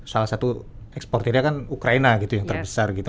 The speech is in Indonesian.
salah satu eksporternya kan ukraina gitu yang terbesar gitu